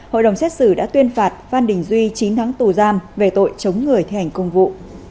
hội đồng xét xử đã tuyên phạt phan đình duy chín tháng tù giam về tội chống người thi hành công vụ